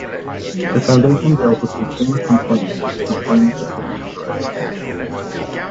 The Foundation deals with consumer complains and complains between entreprises.